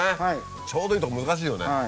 ちょうどいいとこ難しいよね。